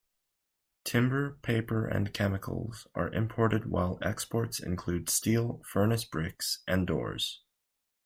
Timber, paper and chemicals are imported while exports include steel, furnace-bricks and doors.